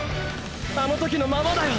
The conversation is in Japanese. あの時のままだよ！